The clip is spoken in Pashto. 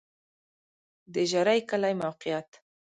د ژرۍ کلی موقعیت